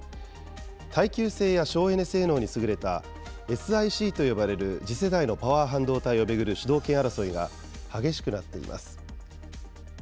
耐久性や省エネ性能に優れたＳｉＣと呼ばれる次世代のパワー半導体を巡る主導権争いが激しくなっています。